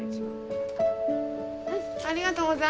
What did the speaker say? ありがとうございます。